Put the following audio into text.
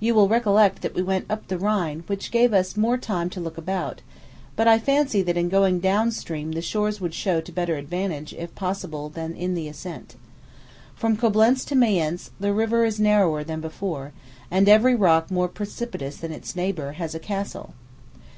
You will recollect that we went up the Rhine, which gave us more time to look about; but I fancy that in going down stream the shores would show to better advantage, if possible, than in the ascent. From Coblentz to Mayence the river is narrower than before; and every rock more precipitous than its neighbor, has a castle.